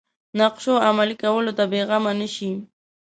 نقشو عملي کولو ته بېغمه نه شي.